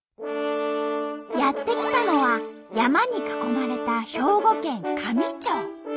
やって来たのは山に囲まれた兵庫県香美町。